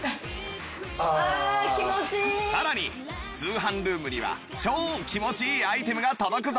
さらに通販ルームには超気持ちいいアイテムが届くぞ